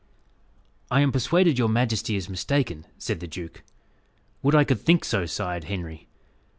"I am persuaded your majesty is mistaken," said the duke. "Would I could think so!" sighed Henry.